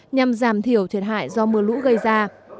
nhằm giảm thiểu thiệt hại do mưa lũ gây ra